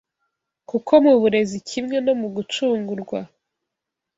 kuko mu burezi kimwe no mu gucungurwa